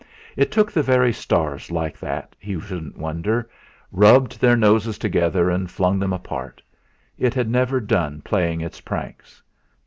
It took the very stars like that, he shouldn't wonder, rubbed their noses together and flung them apart; it had never done playing its pranks.